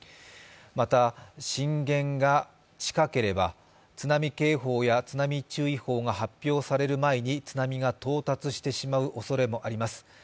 また、震源が近ければ、津波警報や津波注意報が発表される前に津波が到達してしまうおそれがあります。